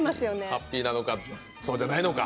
ハッピーなのかそうじゃないのか。